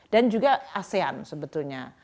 dan juga asean sebetulnya